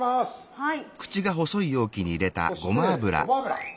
はい。